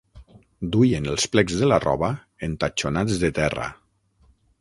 Duien els plecs de la roba entatxonats de terra.